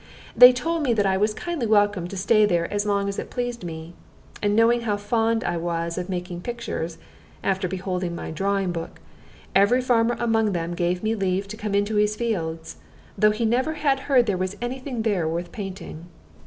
They told me that I was kindly welcome to stay there as long as it pleased me; and knowing how fond I was of making pictures, after beholding my drawing book, every farmer among them gave me leave to come into his fields, though he never had heard there was any thing there worth painting.